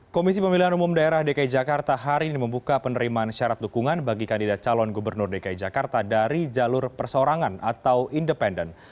komisi pemilihan umum daerah dki jakarta hari ini membuka penerimaan syarat dukungan bagi kandidat calon gubernur dki jakarta dari jalur persorangan atau independen